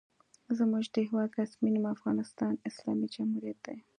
زموږ د هېواد رسمي نوم افغانستان اسلامي جمهوریت دی.